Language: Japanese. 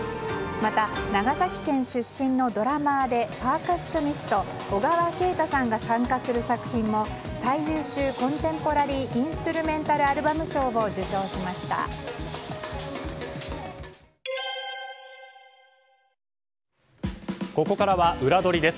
また、長崎県出身のドラマーでパーカッショニスト小川慶太さんが参加する作品も最優秀コンテンポラリー・インストゥルメンタル・アルバム賞をここからは、ウラどりです。